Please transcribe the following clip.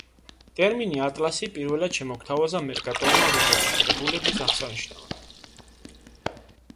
ტერმინი „ატლასი“ პირველად შემოგვთავაზა მერკატორმა რუკების კრებულების აღსანიშნავად.